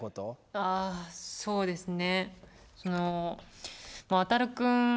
ああそうですね。